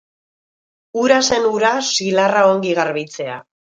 Hura zen hura zilarra ongi garbitzea!